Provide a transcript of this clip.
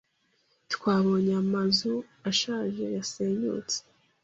Twabonye amazu ashaje yasenyutse.